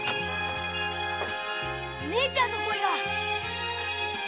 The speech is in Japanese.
姉ちゃんの声が。